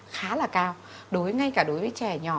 khá là cao đối với ngay cả đối với trẻ nhỏ